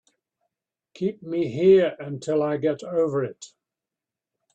Keep me here until I get over it.